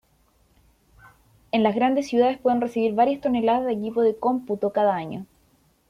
En las grandes ciudades, pueden recibir varias toneladas de equipo de cómputo cada año.